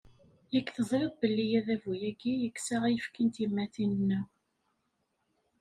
Yak tezriḍ belli adabu-agi, yekkes-aɣ ayefki n tyemmatin-nneɣ.